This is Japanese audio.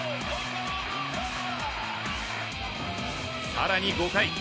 更に５回。